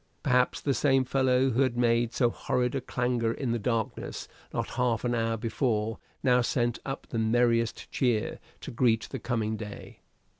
Perhaps the same fellow who had made so horrid a clangor in the darkness not half an hour before, now sent up the merriest cheer to greet the coming day.